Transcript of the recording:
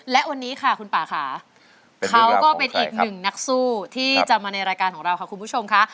และวันนี้ค่ะคุณป่าค่ะเขาก็เป็นอีกหนึ่งนักสู้ที่จะมาในรายการของเราค่ะคุณผู้ชมค่ะ